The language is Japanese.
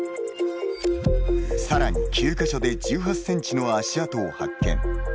さらに、９か所で１８センチの足跡を発見。